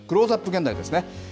現代ですね。